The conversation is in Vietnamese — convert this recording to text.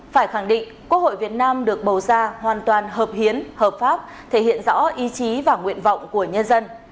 phải khẳng định quốc hội việt nam được bầu ra hoàn toàn hợp hiến hợp pháp thể hiện rõ ý chí và nguyện vọng của nhân dân